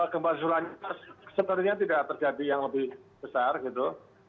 gempa susulan sepertinya tidak terjadi yang lebih besar gitu